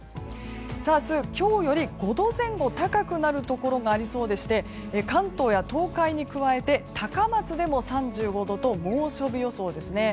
今日より５度前後高くなりそうなところがありそうでして関東や東海に加えて高松でも３５度と猛暑日予想ですね。